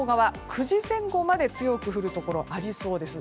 ９時前後まで強く降るところありそうです。